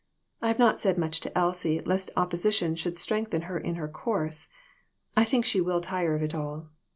I have not said much to Elsie lest opposition should strengthen her in her course. I think she will tire of it all."